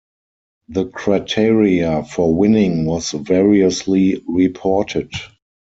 The criteria for winning was variously reported.